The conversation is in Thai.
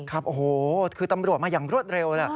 ครับโอ้โหคือตำรวจมาอย่างรวดเร็วแหละ